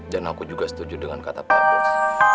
dan aku juga setuju dengan kata pak bus